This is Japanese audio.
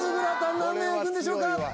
何面あくんでしょうか？